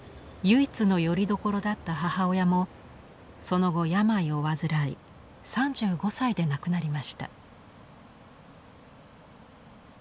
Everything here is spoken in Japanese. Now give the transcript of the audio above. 唯一のよりどころだった母親もその後病を患い３５歳で亡くなりました。